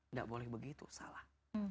nggak boleh begitu salah